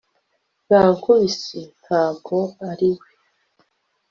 yankubise, ntabwo ari we